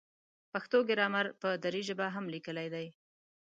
پښتو ګرامر په دري ژبه هم لیکلی دی.